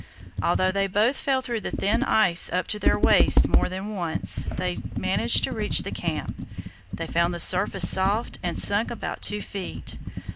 Although they both fell through the thin ice up to their waists more than once, they managed to reach the camp. They found the surface soft and sunk about two feet.